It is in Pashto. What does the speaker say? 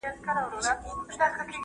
دوی په بازار کي سیالي کوي.